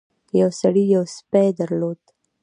یو سړي یو سپی درلود.